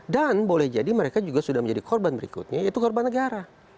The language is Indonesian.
dan boleh jadi mereka juga sudah menjadi korban berikutnya yaitu korban negara